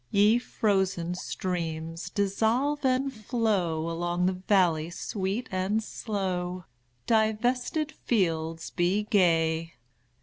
Ye frozen streams, dissolve and flow Along the valley sweet and slow! Divested fields, be gay!